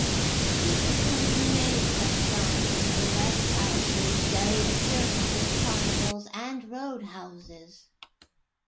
He performed many such songs in burlesque houses, various circuses, carnivals, and roadhouses.